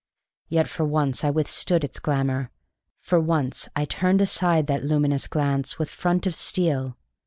Yet for once I withstood its glamour; for once I turned aside that luminous glance with front of steel.